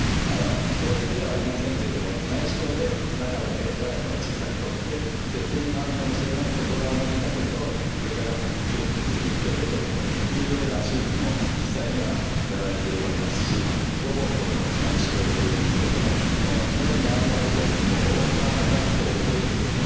標準ではありませんけれども内視鏡で中から小さく取って転移のあるかもしれない外側のリンパ節を外科が腹腔鏡で取るというような手術も実際にはやられておりますしロボットの内視鏡というんですけれども２本のロボットアームが動いてですね